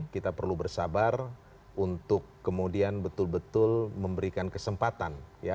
kita perlu bersabar untuk kemudian betul betul memberikan kesempatan